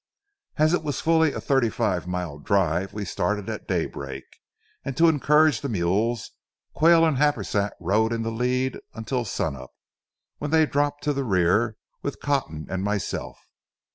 As it was fully a thirty five mile drive we started at daybreak, and to encourage the mules Quayle and Happersett rode in the lead until sun up, when they dropped to the rear with Cotton and myself.